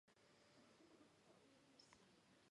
ეკლესია გადაიხურა კრამიტით.